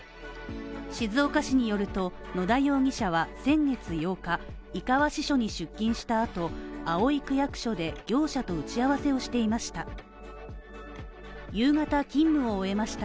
静岡市によると、野田容疑者は先月８日井川支所に出勤したあと、葵区役所で、業者と打ち合わせをしていました。